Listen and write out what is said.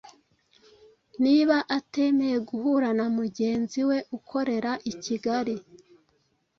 niba atemeye guhura na mugenzi we ukorera i Kigali.